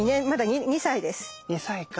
２歳か。